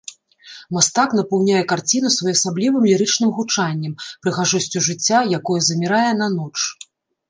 Мастак напаўняе карціну своеасаблівым лірычным гучаннем, прыгажосцю жыцця, якое замірае на ноч.